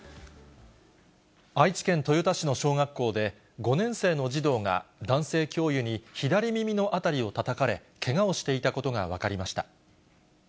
愛知県豊田市の小学校で、５年生の児童が男性教諭に左耳の辺りをたたかれ、けがをしていたことが分かりました。